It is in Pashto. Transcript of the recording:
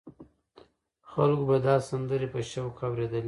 خلکو به دا سندرې په شوق اورېدلې.